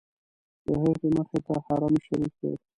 د هغې مخې ته حرم شریف دی.